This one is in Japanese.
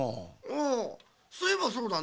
ああそういえばそうだね。